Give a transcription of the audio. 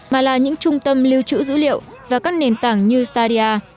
mà là những trung tâm lưu trữ dữ liệu và các nền tảng như stadia